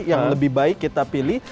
yang lebih baik kita pilih